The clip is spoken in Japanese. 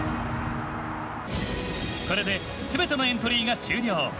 これで全てのエントリーが終了。